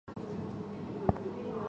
在今山东省南部。